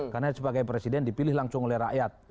karena sebagai presiden dipilih langsung oleh rakyat